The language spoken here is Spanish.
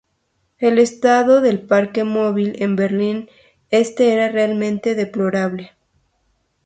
El estado del parque móvil en Berlín Este era realmente deplorable.